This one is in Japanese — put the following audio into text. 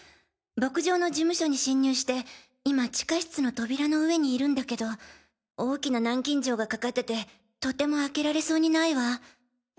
牧場の事務所に侵入して今地下室の扉の上にいるんだけど大きな南京錠がかかっててとても開けられそうにないわ。